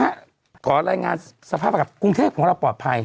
ต้องการรายงานที่สารที่ราบกรุงเทปของเราปลอดภัย